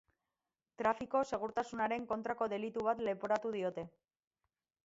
Trafiko segurtasunaren kontrako delitu bat leporatu diote.